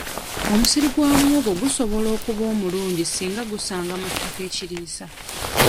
Omusiri gwa muwogo gusobola okuba omulungi singa gusanga mu ttaka ekiriisa.